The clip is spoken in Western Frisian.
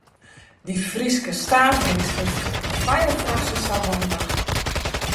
Dy Fryske staveringshifker yn Firefox is sa handich.